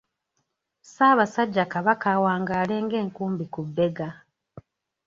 Ssaabasajja Kabaka Awangaale ng'Enkumbi ku bbega.